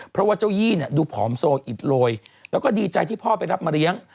เพราะว่าเจ้ายี่ดูผอมโซอิดโรยแล้วก็ดีใจที่พ่อไปรับมาเลี้ยง